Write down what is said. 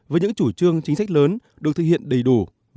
với những chủ trương chính sách lớn được thực hiện đầy đủ và kịp thời